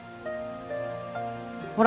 ほら！